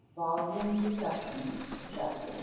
VOLUME THE SECOND. CHAPTER I.